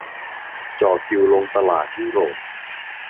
จ่อคิวลงตลาดยุโรป